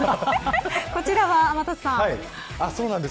こちらは天達さん。